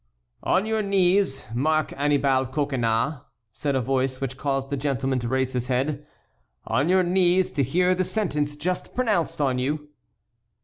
"On your knees, Marc Annibal Coconnas," said a voice which caused that gentleman to raise his head. "On your knees to hear the sentence just pronounced on you!"